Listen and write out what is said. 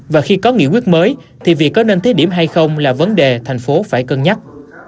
và khi có nghị quyết mới thì việc có nên thí điểm hay không là vấn đề thành phố phải cân nhắc